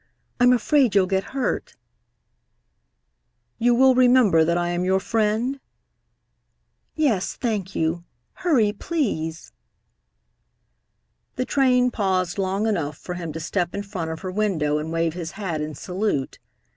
I'm afraid you'll get hurt." "You will remember that I am your friend?" "Yes, thank you. Hurry, please!" The train paused long enough for him to step in front of her window and wave his hat in salute.